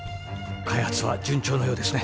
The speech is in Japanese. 開発は順調のようですね。